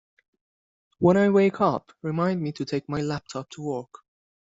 When I wake up, remind me to take my laptop to work.